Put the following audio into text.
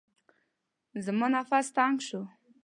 زما نفس تنګ شو.